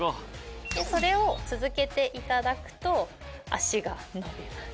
「それを続けていただくと脚が伸びます」